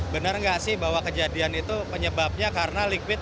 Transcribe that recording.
benar nggak sih bahwa kejadian itu penyebabnya karena liquid